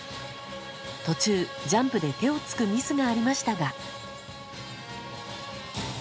途中、ジャンプで手をつくミスがありましたが。